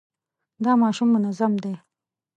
دا ماشوم منظم دی.